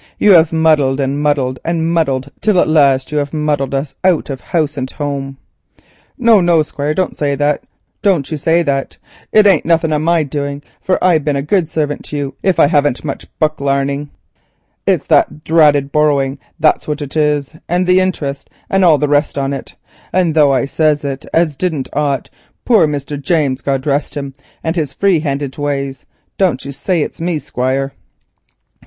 You have muddled and muddled and muddled till at last you have muddled us out of house and home." "No, no, Squire, don't say that—don't you say that. It ain't none of my doing, for I've been a good sarvant to you if I haven't had much book larning. It's that there dratted borrowing, that's what it is, and the interest and all the rest on it, and though I says it as didn't ought, poor Mr. James, God rest him and his free handed ways. Don't you say it's me, Squire."